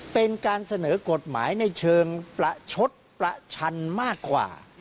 เป็นการเสนอกฎหมายในเชิงประชดประชันมากกว่า